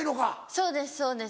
そうですそうです。